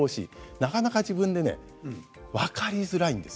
なかなか自分で分かりづらいんです。